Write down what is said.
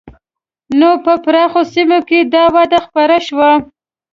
نو په پراخو سیمو کې دا وده خپره شوه.